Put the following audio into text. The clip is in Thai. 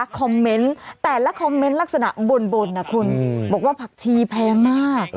คอมเมนต์แต่ละคอมเมนต์ลักษณะบนนะคุณบอกว่าผักชีแพงมาก